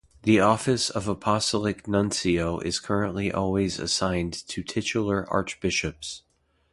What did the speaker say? The office of Apostolic Nuncio is currently always assigned to titular archbishops.